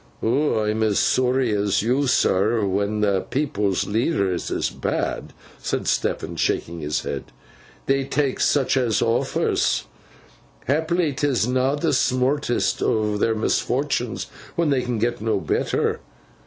'I'm as sooary as yo, sir, when the people's leaders is bad,' said Stephen, shaking his head. 'They taks such as offers. Haply 'tis na' the sma'est o' their misfortuns when they can get no better.